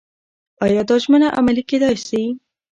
ایا دا ژمنه عملي کېدای شي؟